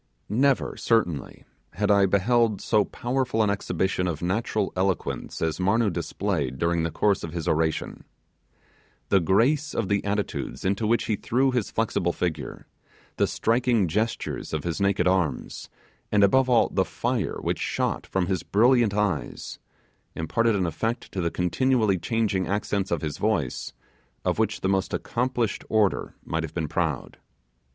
Never, certainly, had I beheld so powerful an exhibition of natural eloquence as Marnoo displayed during the course of his oration. The grace of the attitudes into which he threw his flexible figure, the striking gestures of his naked arms, and above all, the fire which shot from his brilliant eyes, imparted an effect to the continually changing accents of his voice, of which the most accomplished orator might have been proud.